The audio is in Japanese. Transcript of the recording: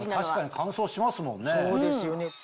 確かに乾燥しますもんね。